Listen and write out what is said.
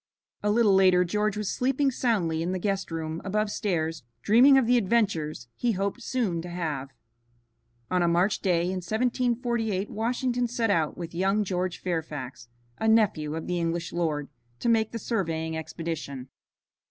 A little later George was sleeping soundly in the guest room above stairs dreaming of the adventures he hoped soon to have. On a March day in 1748 Washington set out with young George Fairfax, a nephew of the English lord, to make the surveying expedition.